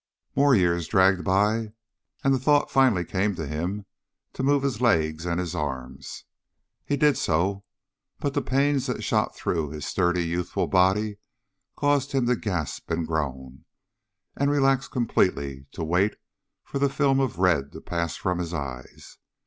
More years dragged by, and the thought finally came to him to move his legs and his arms. He did so, but the pains that shot through his sturdy, youthful body caused him to gasp and groan, and relax completely to wait for the film of red to pass from his eyes.